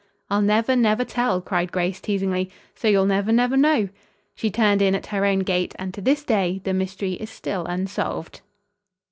"I'll never, never tell," cried Grace teasingly; "so you'll never, never know." She turned in at her own gate and to this day the mystery is still unsolved.